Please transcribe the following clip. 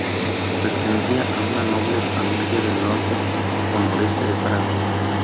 Pertenecía a una noble familia del norte o noroeste de Francia.